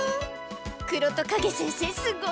黒戸カゲ先生すごい。